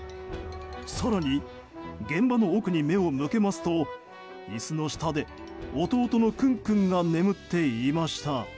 更に現場の奥に目を向けますと椅子の下で弟のクン君が眠っていました。